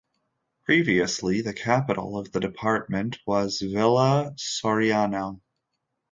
Previously, the capital of the department was Villa Soriano.